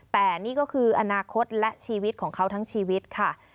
แต่นี่ก็คืออนาคตและชีวิตของเขาทั้งชีวิตค่ะ